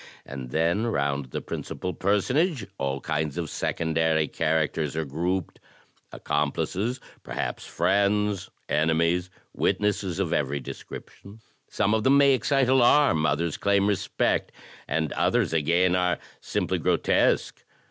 And then round the principal personage all kinds of secondary characters are grouped — accomplices, perhaps friends, enemies, witnesses of every description. Some of them may excite alarm, others claim respect, and others again are simply grotesque.